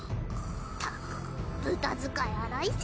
ったく豚使い荒いぜ。